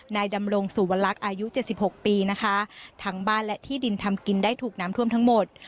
นายดำรงสุวรรคอายุเจ็ดสิบหกปีนะคะทั้งบ้านและที่ดินทำกินได้ถูกน้ำท่วมทั้งหมด